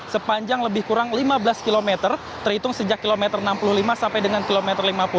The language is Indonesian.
sepanjang lebih kurang lima belas km terhitung sejak kilometer enam puluh lima sampai dengan kilometer lima puluh